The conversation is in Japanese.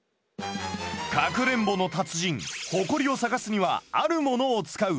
かくれんぼの達人ホコリを探すにはあるものを使う！